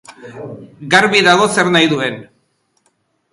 Garbi dago zer nahi duen.